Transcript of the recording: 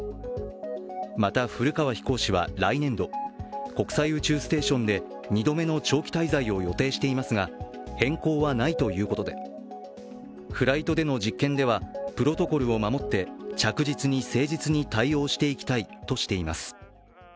また、古川飛行士は来年度国際宇宙ステーションで２度目の長期滞在を予定していますが、変更はないということでフライトでの実験ではプロトコルを守って着実に誠実に対応していきたいとしています。